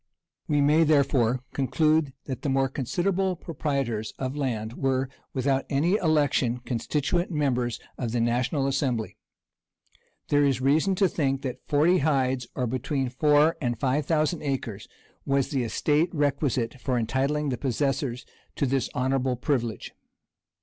] We may, therefore, conclude that the more considerable proprietors of land were, without any election, constituent members of the national assembly: there is reason to think that forty hides, or between four and five thousand acres, was the estate requisite for entitling the possessors to this honorable privilege.